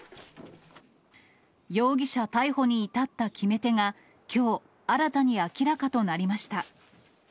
容疑者逮捕に至った決め手が、きょう、新たに明らかとなりました。